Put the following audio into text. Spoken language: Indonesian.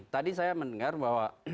tadi saya mendengar bahwa